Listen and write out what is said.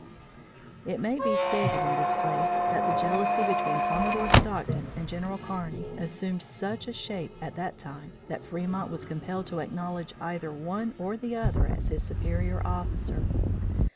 It may be stated in this place that the jealousy between Commodore Stockton and General Kearney assumed such a shape at that time that Fremont was compelled to acknowledge either one or the other as his superior officer.